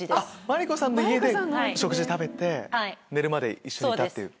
万里子さんの家で食事食べて寝るまで一緒にいたっていう。